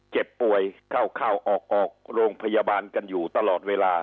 เจ็บป่วยเข้าออกออกโรงพยาบาลกันอยู่ตลอดเวลา